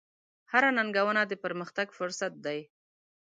هره ننګونه د پرمختګ فرصت دی.